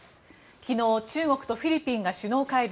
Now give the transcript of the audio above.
昨日、中国とフィリピンが首脳会談。